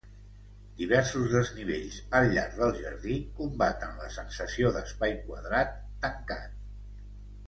Diversos desnivells al llarg del jardí combaten la sensació d’espai quadrat tancat.